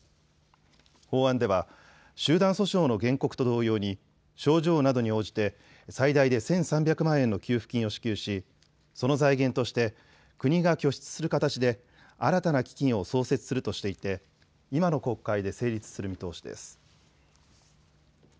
法案では集団訴訟の原告と同様に症状などに応じて最大で１３００万円の給付金を支給しその財源として国が拠出する形で新たな基金を創設するとしていて今の国会で成立する見通しです。